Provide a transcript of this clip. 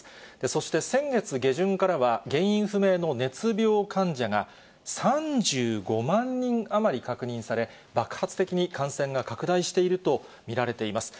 そして先月下旬からは、原因不明の熱病患者が３５万人余り確認され、爆発的に感染が拡大していると見られています。